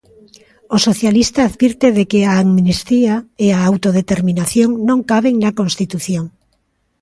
O socialista advirte de que a amnistía e a autodeterminación non caben na Constitución.